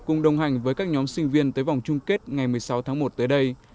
cùng đồng hành với các nhóm sinh viên tới vòng chung kết ngày một mươi sáu tháng một tới đây